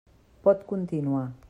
Pot continuar.